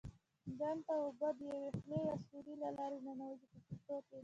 ډنډ ته اوبه د یوې خولې یا سوري له لارې ننوزي په پښتو کې.